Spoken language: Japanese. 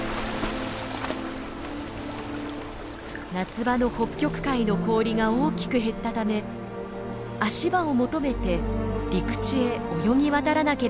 夏場の北極海の氷が大きく減ったため足場を求めて陸地へ泳ぎ渡らなければならなくなったのです。